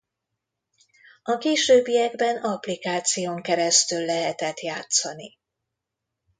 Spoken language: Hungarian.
A későbbiekben applikáción keresztül lehetett játszani.